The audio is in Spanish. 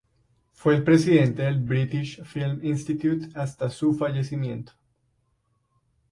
Fue el presidente del British Film Institute hasta su fallecimiento.